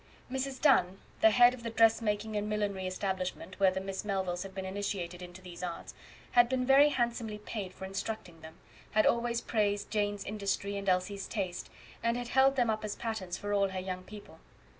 Mrs. Dunn, the head of the dressmaking and millinery establishment where the Miss Melvilles had been initiated into these arts, had been very handsomely paid for instructing them, had always praised Jane's industry and Elsie's taste, and had held them up as patterns for all her young people.